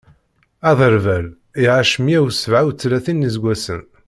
Aderbal iɛac meyya u sebɛa u tlatin n iseggasen.